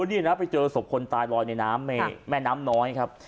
นี่นะไปเจอศพคนตายลอยในน้ำในแม่น้ำน้อยครับ